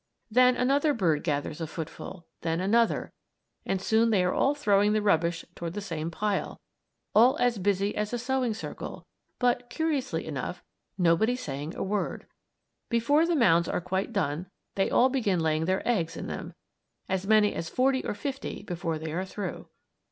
Then another bird gathers a footful; then another, and soon they are all throwing the rubbish toward the same pile; all as busy as a sewing circle, but curiously enough nobody saying a word! Before the mounds are quite done, they all begin laying their eggs in them; as many as forty or fifty, before they are through.